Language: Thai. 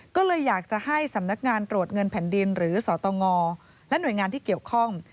ก็เลยอยากจะให้สำนักงานตรวจเงินแผ่นดินหรือสตงและหน่วยงานที่เกี่ยวข้อง